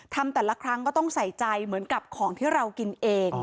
ทำแต่ละครั้งก็ต้องใส่ใจเหมือนกับของที่เรากินเอง